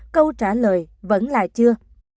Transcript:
câu trả lời vẫn là chưa